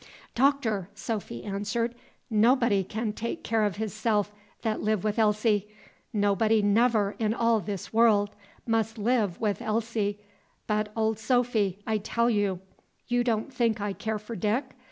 "Doctor!" Sophy answered, "nobody can take care of hisself that live wi' Elsie! Nobody never in all this worl' mus' live wi' Elsie but of Sophy, I tell you. You don' think I care for Dick?